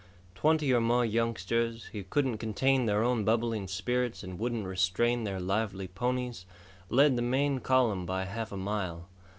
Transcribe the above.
Twenty or more youngsters, who couldn't contain their own bubbling spirits and wouldn't restrain their lively ponies, led the main column by half a mile.